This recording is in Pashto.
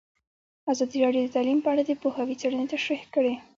ازادي راډیو د تعلیم په اړه د پوهانو څېړنې تشریح کړې.